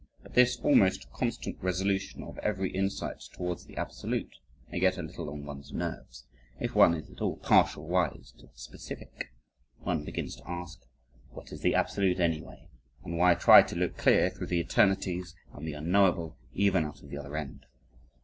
But this almost constant resolution of every insight towards the absolute may get a little on one's nerves, if one is at all partial wise to the specific; one begins to ask what is the absolute anyway, and why try to look clear through the eternities and the unknowable even out of the other end.